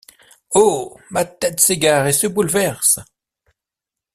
Oh! ma tête s’égare et se bouleverse !